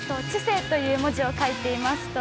知性という字を書いています。